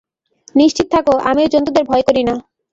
নিশ্চিত থাকো, আমি ওই জন্তুদের ভয় করি না।